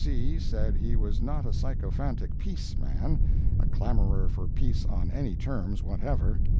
C. said he was not a sycophantic Peace man—a clamorer for peace on any terms, whatever.